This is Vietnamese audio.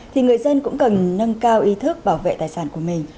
thì người dân cũng cần nâng cao ý thức bảo vệ tài sản của mình